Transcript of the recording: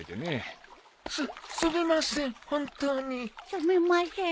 すみません。